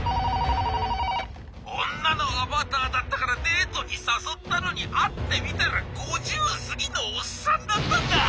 ☎☎「女のアバターだったからデートに誘ったのに会ってみたら五十過ぎのおっさんだったんだ！